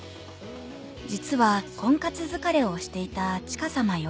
実は婚活疲れをしていたチカさまより。